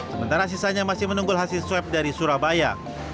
sementara sisanya masih menunggu hasil swab dari surabaya